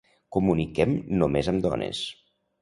Comuniquem només amb dones.